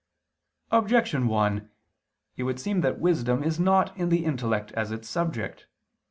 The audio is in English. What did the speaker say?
Objection 1: It would seem that wisdom is not in the intellect as its subject.